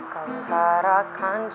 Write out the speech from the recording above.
kau tarakan janji